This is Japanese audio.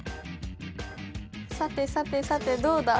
さてさてさてどうだ？